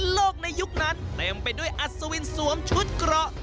โลกในยุคนั้นเต็มไปด้วยอัศวินสวมชุดเกราะ